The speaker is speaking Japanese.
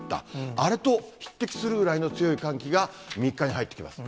あれと匹敵するぐらいの強い寒気が３日に入ってきます。